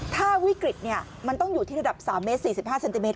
ถ้าวิกฤตมันต้องอยู่ที่ระดับ๓เมตร๔๕เซนติเมต